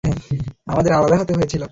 আমাদের আলাদা হতে হয়েছিল।